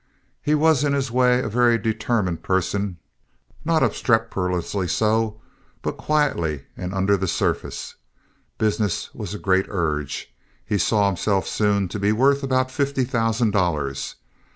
He was in his way a very determined person, not obstreperously so, but quietly and under the surface. Business was a great urge. He saw himself soon to be worth about fifty thousand dollars.